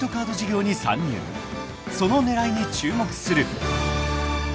［その狙いに注目する］